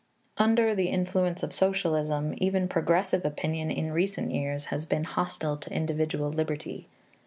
Under the influence of socialism, even progressive opinion, in recent years, has been hostile to individual liberty.